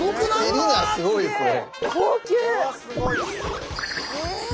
照りがすごいですね。